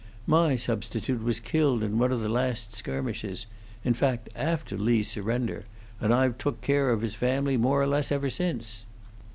My substitute was killed in one of the last skirmishes in fact, after Lee's surrender and I've took care of his family, more or less, ever since."